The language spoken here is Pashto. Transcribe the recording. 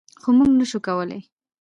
خو موږ نشو کولی.